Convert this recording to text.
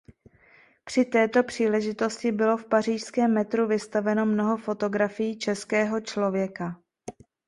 Při této příležitosti bylo v pařížském metru vystaveno mnoho fotografií Českého Člověka.